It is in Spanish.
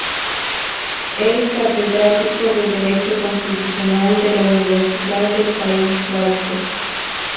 Es Catedrático de Derecho Constitucional de la Universidad del País Vasco.